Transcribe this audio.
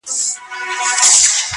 ډبري غورځوې تر شا لاسونه هم نیسې,